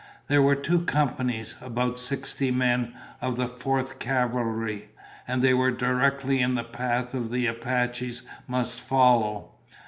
There were two companies, about sixty men, of the Fourth Cavalry, and they were directly in the path the Apaches must follow.